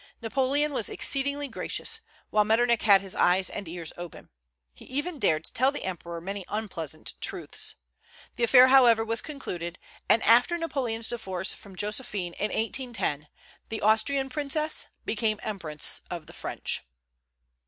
Napoleon was exceedingly gracious, while Metternich had his eyes and ears open. He even dared to tell the Emperor many unpleasant truths. The affair, however, was concluded; and after Napoleon's divorce from Josephine, in 1810, the Austrian princess became empress of the French.